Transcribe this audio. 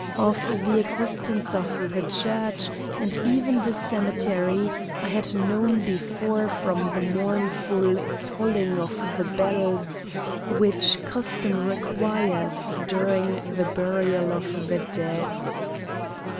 Of the existence of the church and even the cemetery I had known before from the mournful tolling of the bells, which custom requires during the burial of the dead.